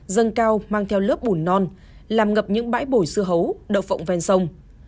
dân cao mang theo lớp bùn non làm ngập những bãi bổi dưa hấu đậu phộng ven sông